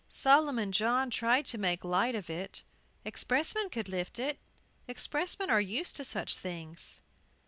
Solomon John tried to make light of it. "Expressmen could lift it. Expressmen were used to such things."